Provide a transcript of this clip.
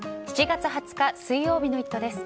７月２０日水曜日の「イット！」です。